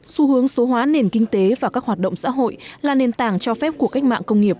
xu hướng số hóa nền kinh tế và các hoạt động xã hội là nền tảng cho phép của cách mạng công nghiệp bốn